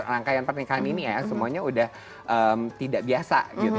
rangkaian pernikahan ini ya semuanya udah tidak biasa gitu